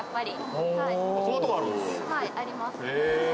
はいあります。